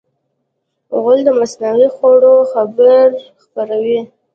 غول د مصنوعي خوړو خبر خپروي.